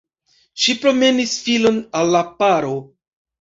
Ŝi promesis filon al la paro.